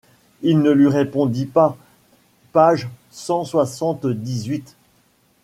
Il ne lui répondit pas, page cent soixante-dix-huit.